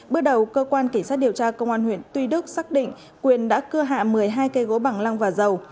bước đầu cơ quan kỳ sát điều tra công an huyện tuy đức xác định quyền đã cưa hạ một mươi hai cây gỗ bằng lăng và dầu